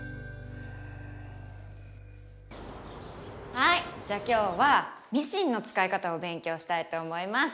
はいじゃあ今日はミシンのつかい方をべんきょうしたいと思います。